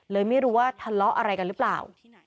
เลยไม่รู้ว่าทะเลาะอะไรกันหรือเปล่า